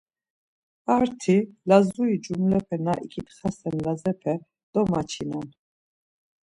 Arti Lazuri cumlepe na iǩitxasen Lazepe domaç̌inan.